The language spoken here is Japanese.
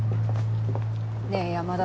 ねぇ山田。